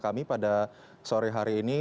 baik bapak budi ari wakil